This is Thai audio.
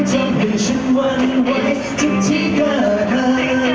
ขอบคุณทุกคนมากครับผมที่มาด้วยวันนี้